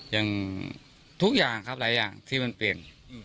อย่างทุกอย่างครับหลายอย่างที่มันเปลี่ยน